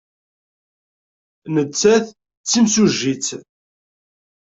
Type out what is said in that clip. Nettat d timsujjit.